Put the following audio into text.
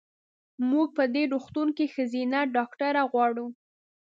مونږ په دې روغتون کې ښځېنه ډاکټره غواړو.